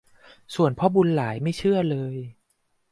ส่วนพ่อบุญหลายไม่เชื่อเลย